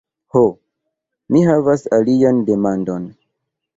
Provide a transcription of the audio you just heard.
Ho, mi havas alian demandon.